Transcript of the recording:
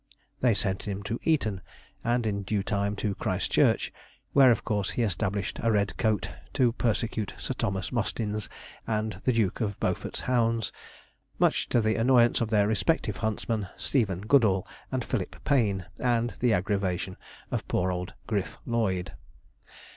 They sent him to Eton, and in due time to Christ Church, where, of course, he established a red coat to persecute Sir Thomas Mostyn's and the Duke of Beaufort's hounds, much to the annoyance of their respective huntsmen, Stephen Goodall and Philip Payne, and the aggravation of poor old Griff. Lloyd.